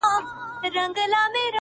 په يوه گړي كي جوړه هنگامه سوه،